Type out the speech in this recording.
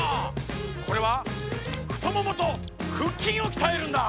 これはふとももとふっきんをきたえるんだ！